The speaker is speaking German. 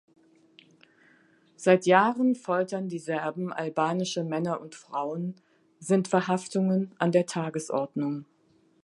Seit Jahren foltern die Serben albanische Männer und Frauen, sind Verhaftungen an der Tagesordnung.